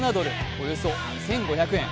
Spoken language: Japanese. およそ２５００円。